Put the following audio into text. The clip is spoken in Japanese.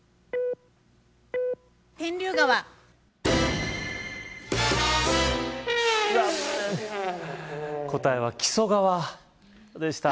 天竜川残念答えは木曽川でした